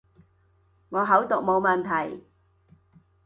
我口讀冇問題